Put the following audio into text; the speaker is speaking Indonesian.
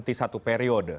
sby berhenti satu periode